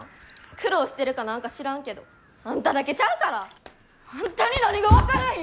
苦労してるかなんか知らんけどあんただけちゃうから！あんたに何が分かるんや！